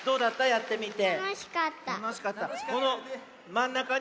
やってみて。